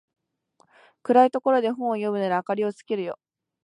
暗いところで本を読むなら明かりつけるよ